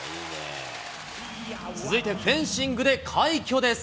続いてフェンシングで快挙です。